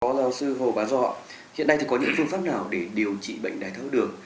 có giáo sư hồ bá dọ hiện nay có những phương pháp nào để điều trị bệnh đáy thao đường